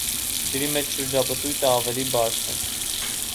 Ջրի մեծ շրջապտույտը ավելի բարդ է։